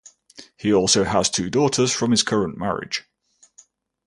He also has two daughters from his current marriage.